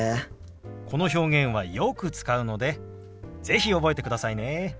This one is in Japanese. この表現はよく使うので是非覚えてくださいね。